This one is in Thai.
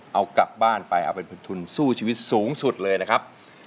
เอากลับบ้านไปเอาเป็นทุนสู้ชีวิตสูงสุดเลยนะครับ